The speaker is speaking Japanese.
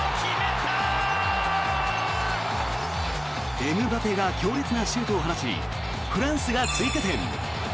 エムバペが強烈なシュートを放ちフランスが追加点。